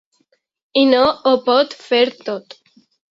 I no ho pot fer tot.